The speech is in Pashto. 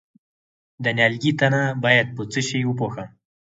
د نیالګي تنه باید په څه شي وپوښم؟